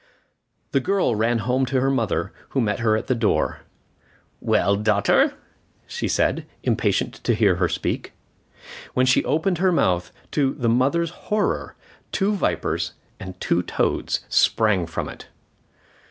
The girl ran home to her mother, who met her at the door. "Well, daughter," she said, impatient to hear her speak. When she opened her mouth, to the mother's horror, two vipers and two toads sprang from it.